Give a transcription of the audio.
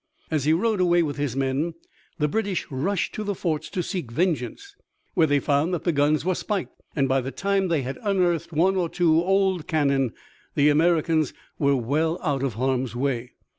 As he rowed away with his men the British rushed to the forts to seek vengeance, where they found that the guns were spiked, and by the time they had unearthed one or two old cannon the Americans were well out of harm's way.